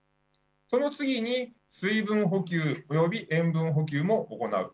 その次に水分補給および塩分補給を行う。